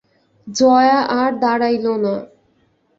জয়া আর দাড়াইল না।